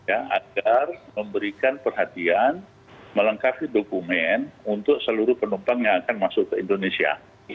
agar memberikan perhatian melengkapi dokumen untuk seluruh penumpang yang akan masuk ke indonesia